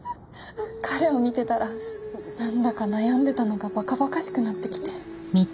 彼を見てたらなんだか悩んでたのが馬鹿馬鹿しくなってきて。